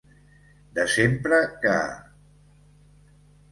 De sempre que.